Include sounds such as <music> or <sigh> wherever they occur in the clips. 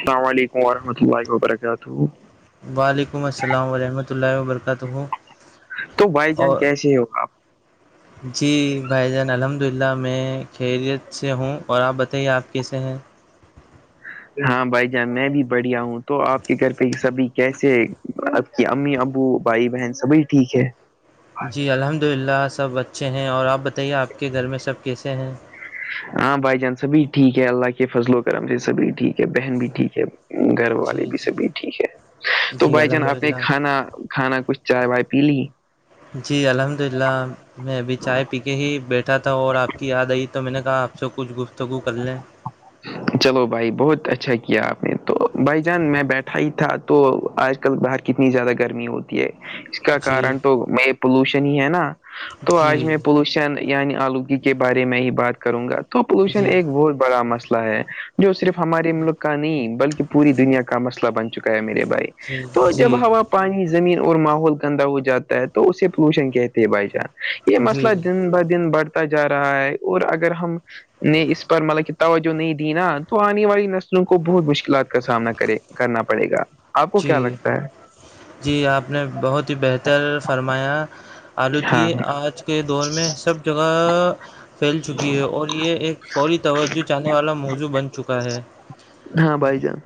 السلام علیکم ورحمۃ اللہ وبرکاتہ وعلیکم السلام ورحمۃ اللہ وبرکاتہ تو بھائی جان اور کیسے ہو آپ جی بھائی جان الحمد للہ میں خیریت سے ہوں اور آپ بتائیے آپ کیسے ہیں ہاں بھائی جان میں بھی بڑھیا ہوں تو آپ کے گھر پہ سبھی کیسے کہ امی ابو بھائی بہن سبھی ٹھیک ہے جی الحمد للہ سب اچھے ہیں اور آپ بتائیے آپ کے گھر میں سب کیسے ہیں ہاں بھائی جان سبھی ٹھیک ہے اللہ کے فضل و کرم سے سبھی ٹھیک ہے بہن بھی ٹھیک ہے گھر والے جی بھی جی سبھی ٹھیک ہے تو جی بھائی جان الحمد آپ نے للہ کھانا کھانا کچھ چائے وائے پی لی جی الحمد للہ میں ابھی چائے پی کہ ہی بیٹھا تھا اور آپ کی یاد آئی تو میں نے کہا آپ سے کچھ گفتگو کر لیں چلو بھائی بہت اچھا کیا آپ نے تو بھائی جان میں بیٹھا ہی تھا تو آج کل باہر کتنی زیادہ گرمی ہوتی ہے اس کا جی کارن تو میں پولوشن ہی ہے نا تو آج جی میں پولوشن یعنی آلودگی کے بارے میں ہی بات کروں گا تو پولوشن جی ایک بہت بڑا مسئلہ ہے جو صرف ہمارے ملک کا نہیں بلکہ پوری دنیا کا مسئلہ بن چکا ہے میرے بھائی جی تو جب جی ہوا پانی زمین اور ماحول گندا ہو جاتا ہے تو اسے پولوشن کہتے ہیں بھائی جان یہ جی مسئلہ دن ب دن بڑھتا جا رہا ہے اور اگر ہم نے اس پر مل کتا ہو جو نہیں دی نا تو آنے والی نسلوں کو بہت مشکلات کا سامنا کرے کرنا پڑے گا آپ کو کیا جی لگتا ہے جی آپ نے بہت ہی بہتر فرمایا آلودگی ہاں آج کے دور میں سب جگہ پھیل چکی ہے اور یہ ایک فوری توجہ چ آنے والا موضوع بن چکا ہے ہاں بھائی جان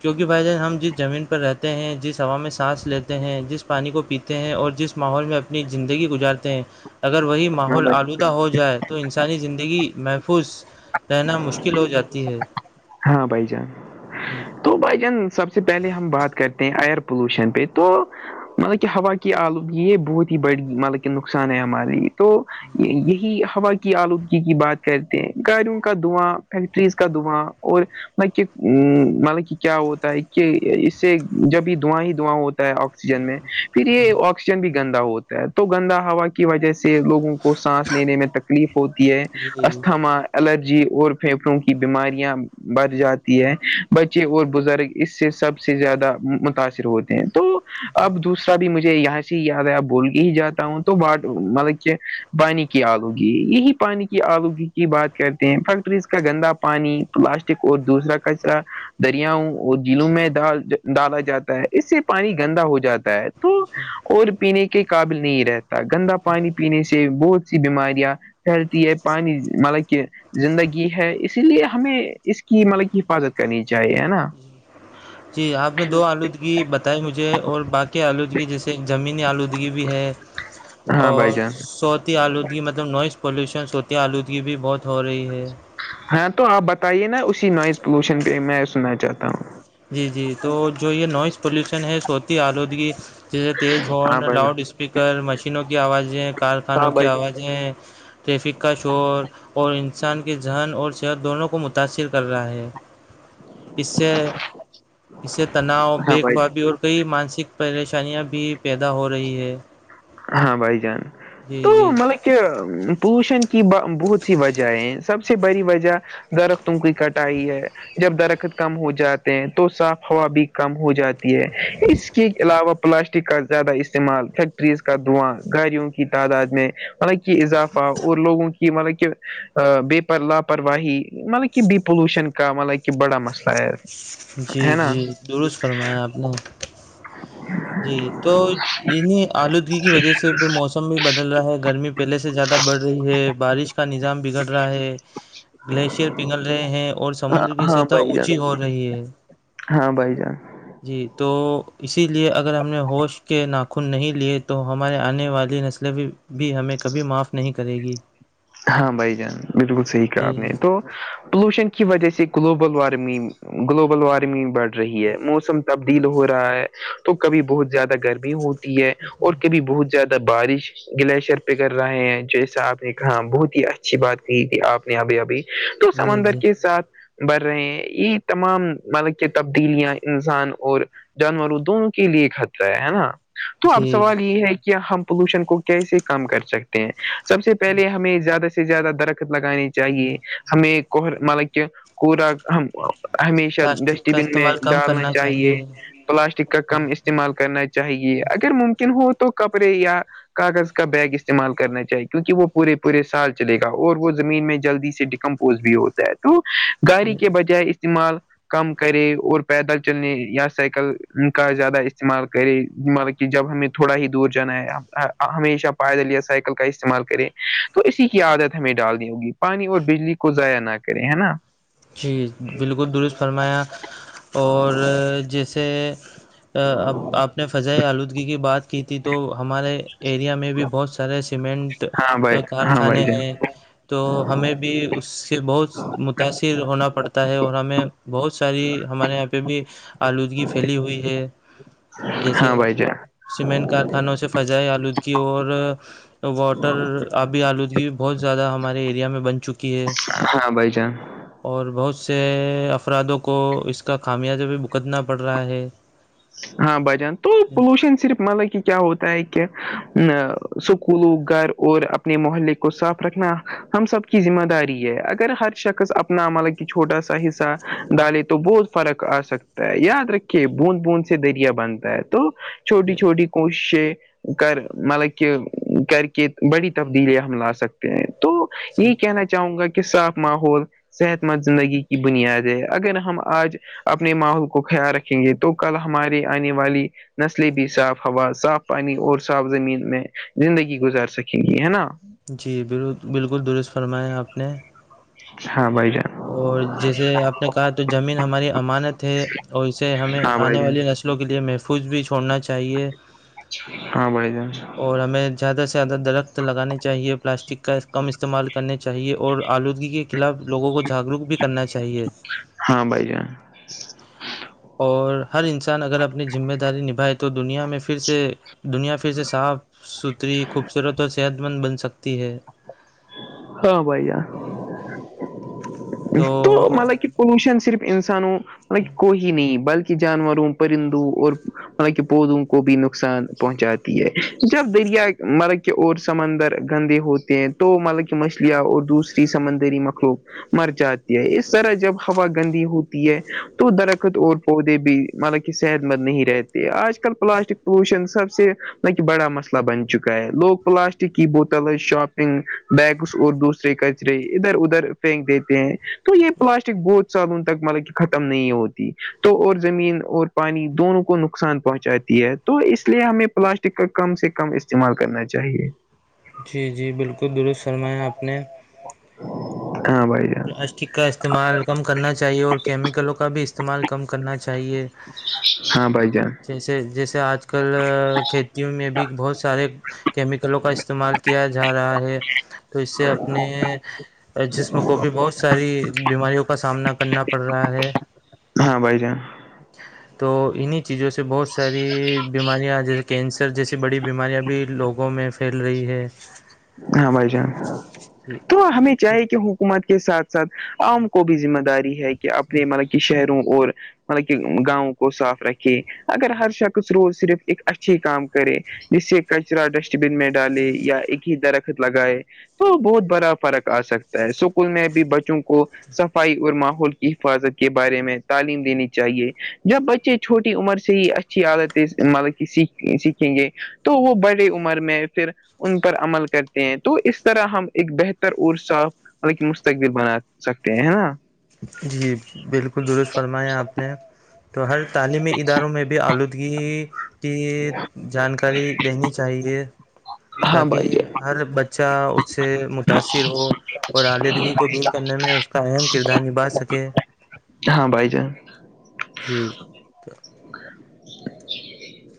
کیونکہ بھائی جان ہم جیت زمین پر رہتے ہیں جس ہوا میں سانس لیتے ہیں جس پانی کو پیتے ہیں اور جس ماحول میں اپنی زندگی گزارتے ہیں اگر وہی ہاں ماحول بھائی آلودہ ہو جائے تو انسانی زندگی محفوظ رہنا مشکل ہو جاتی ہے ہاں بھائی جان تو بھائی جان سب سے پہلے ہم بات کرتے ہیں ایئر پولوشن پہ تو مطلب کہ ہوا کی آلود یہ بہت ہی بڑی مطلب کہ نقصان ہے ہماراریے تو یہی ہوا کی آلودگی کی بات کرتے ہیں گاڑیوں کا دعواں فیکٹریز کا دعواں اور مط کہ مطلب کہ کیا ہوتا ہے کہ اس سے جب بھی داں ہی دواں ہوتا آکسیجن میں پھر یہ آکسیجن بھی گندا ہوتا ہے تو گندا ہوا کی وجہ سے لوگوں کو سانس لینے میں تکلیف ہوتی ہے جی جی اسھما الرجی اور پھیپڑوں کی بیماریاں بھ جاتی ہے بچے اور بزرگ اس سے سب سے زیادہ متاثر ہوتے ہیں تو اب دوسرا بھی مجھے یہاں سے یاد ہے آپ بول کے ہی جاتا ہوں تو واٹ مطلب کہ پانی کی آلوگی یہی پانی کی آلوگی کی بات کرتے ہیں فیکٹریز کا گندا پانی پلاسٹک اور دوسرا کچرا دریاؤں اور جلوں میں ڈال ڈالا جاتا ہے اس سے پانی گندا ہو جاتا ہے تو اور پینے کے قابل نہیں رہتا گندا پانی پینے سے بہت سی بیماریاں پھیلتی ہے پانی مطلب کہ زندگی ہے اسی لیے ہمیں اس کی مطلب کہ حفاظت کرنی چاہیے ہے نا جی آپ نے دو آلو بتائی مجھے اور باقی آلودگی جیسے زمینی آلودگی بھی ہے ہاں بھائی اور جان صوتی آلودگی مطلب نوائز پولیوشن صوتی آلودگی بھی بہت ہو رہی ہے ہاں تو آپ بتائیے نا اسی نوائز پولوشن پہ میں سننا چاہتا ہوں جی جی تو جو یہ نوائز پلیوشن ہے سوتی آلودگی جیسے تیز ہارن ہاں بھائی لاؤڈ جان اسپیکر مشینوں کی آوازیں ہاں کارخانوں کی بھائی آوازیں جی ٹریفک کا شور اور انسان کے ذہن اور صحت دونوں کو متاثر کر رہا ہے اس سے چ اس سے تناؤ بے خوابی اور کئی مانسک پریشانیاں بھی پیدا ہو رہی ہے ہاں بھائی جان جی تو جی مل کہ پوشن کی بہت سی وجہیں سب سے بڑی وجہ درختوں کی کٹائی ہے جب درخت کم ہو جاتے ہیں تو صاف ہوا بھی کم ہو جاتی اس کے علاوہ پلاسٹک کا زیادہ استعمال فیکٹر ریز کا دعاں گاڑیوں کی تعداد میں مطلب کہ اضافہ اور لوگوں کی مطلب کہ بیی پر لاپرواہی مطلب کہ بھی پولوشن کا مطلب کہ بڑا مسئلہ ہے جی ہے نا جی درست فرمایا آپ نے جی تو انہیں آلودگی کی وجہ سے موسم بھی بدل رہا ہے گرمی پہلے سے زیادہ بڑھ رہی ہے بارش کا نظام بگڑ رہا ہے گلیشئر پنگھل رہے ہیں اور ہاں سمندر کی ہاں سطح بھائی جان اونچی ہو رہی ہے ہاں بھائی جان جی تو اسی لیے اگر ہم نے ہوش کے ناخن نہیں لیے تو ہمارے آنے والی بھی ہمیں کبھی معاف نہیں کرے گی ہاں بھائی جان بالکل صحیح کہا جی آپ نے تو پولوشن کی وجہ سے گلوبل وارمنگ گلوبل وارمنگ بڑھ رہی ہے موسم تبدیل ہو رہا ہے تو کبھی بہت زیادہ گرمی ہو ہے اور کبھی بہت زیادہ بارش گلیشیئر پہ کر رہے ہیں جیسا آپ نے کہا بہت اچھی جی بات کہ تھی آپ نے ابھی ابھی تو جی سمندر جی کے ساتھ بڑھ رہے ہیں یہ تمام مطلب کہ تبدیلیاں انسان اور جانوروں دونوں کے لیے خطرہ ہے ہے نا تو اب جی سوال یہ ہے کہ ہم پولوشن کو کیسے کم کر سکتے ہیں سب سے پہلے ہمیں زیادہ سے زیادہ درخت لگانانی چاہیے ہمیں کر مل کی کوور <unintelligible> ہمیشہ پلاسٹک ڈسٹ کا بین میں استعمال کم ڈالنا کرنا چاہیے پلاسٹک کا کم استعمال کرنا چاہیے اگر ممکن ہو تو کپڑے یا <unintelligible> کاغذ کا بیگ استعمال کرنا چاہیے کیونکہ وہ پورے پورے سال چلے گا اور وہ زمین میں جلدی سے ڈیکمپوز بھی ہوتا ہے تو گااری کے بجائے استعمال <unintelligible> کم کرے اور پیدل چلنے یا سائیکل کا زیادہ استعمال کرے مل کہ جب ہمیں تھوڑا ہی دور جانا ہے ہمیشہ پیدل یا سائیکل کا استعمال کرے تو اسی کی عادت ہمیں ڈالنی ہوگی پانی اور بجلی کو ضائع نہ کرے ہے نا جی بالکل درست فرمایا اور جیسے اب آپ نے فضائی آلودگی کی بات کی تھی تو ہمارے ایریا میں بھی بہت سارے سیمنٹ ہاں بھائی ہاں بھائی کارخانے جان ہیں <unintelligible> تو ہمیں بھی اس سے بہت متاثر ہونا پڑتا ہے اور ہمیں <unintelligible> بہت ساری ہمارے یہاں پہ بھی آلودگی پھیلی ہوئی ہے جیسے ہاں بھائی جان سیمنٹ کارخانوں سے فضائی آلودگی اور تو واٹر آبی آلودگی بہت زیادہ ہمارے ایریا میں بن چکی ہے ہاں بائی چان اور بہت سے افرادوں کو اس کا خامیازہ بھی بکتنا پڑ رہا ہے ہاں بھجان تو پولوشن صرف مطلب کہ کیا ہوتا ہے کہ سکولوں گھر اور اپنے محلے کو صاف رکھنا ہم سب کی ذمہ داری ہے اگر ہر شخص اپنا عمل چھوٹا سا حصہ ڈالے تو بہت فرق آ سکتا ہے یا رکھے بوند بوند سے دریا بنتا ہے تو چھوٹی چھوٹی کوششیں کر مطلب کہ کر کے بڑی تبدیلی ہم لا سکتے ہیں تو جی یہی کہنا چاہوں گا کہ صاف ماحول صحت مند زندگی کی بنیاد ہے اگر ہم آج اپنے ماحول کو خیال رکھیں گے تو کل ہمارے آنے والی نسلیں بھی صاف ہوا صاف پانی اور صاف زمین میں زندگی گزار سکیں گی ہے نا جی بالکل درست فرمایا آپ نے س بائی دا اور جیسے آپ نے کہا تو زمین ہماری امانت ہے اور اسے ہمیں ہاں بھائی آنے جان والی نس کے لیے محفوظ بھی چھوڑنا چاہیے ہاں بھائی جان اور ہمیں زیادہ سے زیادہ درخت لگانے چاہیے پلاسٹک کا کم استعمال کرنے چاہیے اور آلودگی کے خلاف لوگوں کو جاگروک بھی کرنا چاہیے ہاں بھائی جان اور ہر انسان اگر اپنی ذمہ داری نبھائے تو دنیا میں پھر سے دنیا پھر سے صاف ستھری خوبصورت اور صحت مند بن سکتی ہے ہاں بائیا تو مل پولوشن صرف انسانوں مطلب کو ہی نہیں بلکہ جانوروں پرندوں اور مط کہ پودوں کو بھی نقصان پہنچاتی ہے جب دریا ملب کہ اور سمندر گندے ہوتے ہیں تو مطلب کہ مچھلیاں اور دوسری سمندری مخلوق مر جاتی ہے اس طرح جب ہوا گندی ہوتی ہے تو درخت اور پودے بھی مطلب کہ صحت مند نہیں رہتے آج کل پلاسٹک پلوشن سب سے مط کہ بڑا مسئلہ بن چکا ہے لوگ پلاسٹک کی بوتل شاپ بیگ اور دوسرے کچرے ادھر ادھر پھینک دیتے ہیں تو یہ پلاسٹک بہت سالوں تک مطلب کہ ختم نہیں ہوتی تو اور زمین اور پانی دونوں کو نقصان پہنچاتی ہے تو اس لیے ہمیں پلاسٹک کا کم سے کم استعمال کرنا چاہیے جی جی بالکل درست فرمایا اپ نے ہاں بھائی جان پلاسٹک کا استعمال کم کرنا چاہیے اور کیمیکلوں کا بھی استعمال کم کرنا چاہیے ہاں بھائی جان جیسے جیسے آج کل کھیتیوں میں بھی بہت سارے کیمیکلوں کا استعمال کیا جا رہا ہے تو اس سے اپنے جس کو بھی بہت ساری بیماریوں کا سامنا کرنا پڑ رہا ہے ہاں بھائی جان تو انیں چیزوں سے بہت ساری بیماریاں آ جا کینسر جیسی بڑی بیماریاں بھی لوگوں میں پھیل رہی ہے ہاں بھائی جان جی تو ہمیں تو چاہیے کہ حکومت کے ساتھ ساتھ عام کو بھی ذمہ داری ہے کہ اپنے مطلب کہ شہروں اور مطلب کہ گاؤں کو صاف رکھے اگر ہر شخص روز صرف ایک اچھی کام کرے جسے کچرا ڈسٹ بن میں ڈالے یا ایک ہی درخت لگائے تو بہت بڑا فرق آ سکتا اسکول میں بھی بچوں کو صفائی اور ماحول کی حفاظت کے بارے میں تعلیم دینی چاہیے جب بچے چھوٹی عمر سے ہی اچھی عادت مطلب کہ سیکھیں گے تو وہ بڑے عمر میں پھر ان پر عمل کرتے ہیں تو اس طرح ہم ایک بہتر اور صاف تاکہ مستقبل بنا سکتے ہیں ہے نا جی بالکل درست فرمایا آپ نے تو ہر تعلیمی اداروں میں بھی آلودگی کی جانکاری دینی چاہیے ہاں تاکہ بھائی جان ہر بچہ اس سے متاثر ہو اور آلیدگی کو دور کرنے میں اس کا اہم کردار نبھا سکے ہاں بھائی جان جی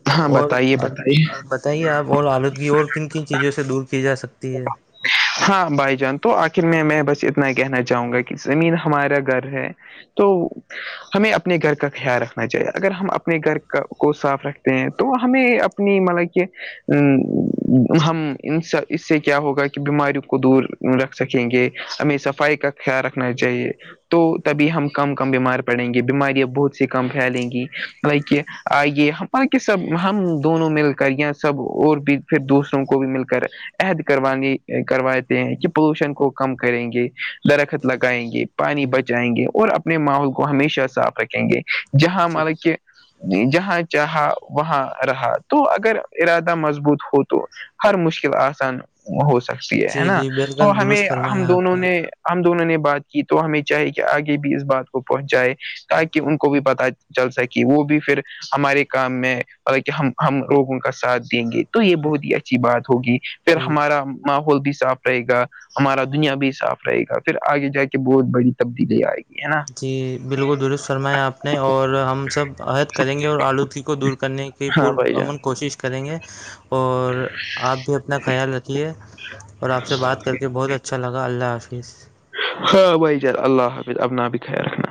تو ہاں اور بتائیے بتائیے بتائیے آپ اور آلودگی اور کن کن چیزوں سے دور کی جا سکتی ہے ہاں بھائی جان تو آخر میں میں بس اتنا کہنا چاہوں گا کہ زمین ہمارا گھر ہے تو ہمیں اپنے گھر کا خیال رکھنا چاہیے اگر ہم اپنے گھر کو صاف رکھتے ہیں تو ہمیں اپنی مطلب کہ ہم اس سے کیا ہوگا کہ بیماریوں کو دور رکھ سکیں گے ہمیں صفائی کا خیال رکھنا چاہیے تو تبھی ہم کم کم بیمار پڑیں گے بیماریاں بہت سی کم پھیلیں گی لائک کہ آئیے کہ سب ہم دونوں مل کر یا سب اور بھی پھر دوسروں کو بھی مل کر عہد کروانی کرواتے ہیں کہ پولوشن کو کم کریں گے درخت لگائیں گے پانی ہے بچائیں گے اور اپنے ماحول کو ہمیشہ صاف رکھیں گے جہاں جی ہمارا کہ جہاں چاہا وہاں رہا تو اگر ارادہ مضبوط ہو تو ہر مشکل آسان ہو سکتی ہے ہے جی نا جی تو بالکل ہمیں درست ہم فرمایا آپ دونوں نے ہم دونوں نے بات کی تو ہمیں چاہے کہ آگے بھی اس بات کو پہنچائے تاکہ ان کو بھی پتا چل سکی وہ بھی پھر ہمارے کام میں تاکہ ہم ہم لوگوں کا ساتھ دیں گے تو یہ بہت ہی اچھی بات ہوگی پھر جی ہمارا ماحول بھی صاف رہے گا ہمارا دنیا بھی صاف رہے گا پھر آگے جا کے بہت بڑی تبدیلی آئے گی ہے نا جی بالکل درست فرمایا آپ نے اور ہم سب عہد کریں گے اور آلودگی کو دور کرنے کی ہاں بھائی پرامن جان کوشش کریں گے اور آپ بھی اپ اتنا خیال رکھی ہے اور آپ سے بات کر کے بہت اچھا لگا اللہ حافظ ہاں بھائی جر اللہ حافظ ابنا بھی خ رکھنا